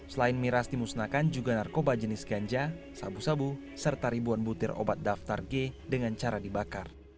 selain miras dimusnahkan juga narkoba jenis ganja sabu sabu serta ribuan butir obat daftar g dengan cara dibakar